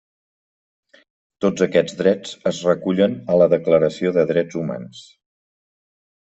Tots aquests drets es recullen a la Declaració de Drets Humans.